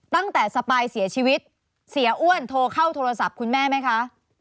ตั้งแต่สปายเสียชีวิตเสียอ้วนโทรเข้าโทรศัพท์คุณแม่ไหมคะ